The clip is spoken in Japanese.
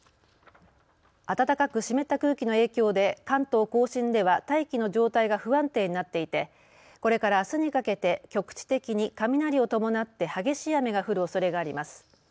暖かく湿った空気の影響で関東甲信では大気の状態が不安定になっていてこれからあすにかけて局地的に雷を伴って激しい雨が降るおそれがあります。